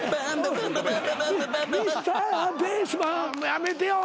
やめてよ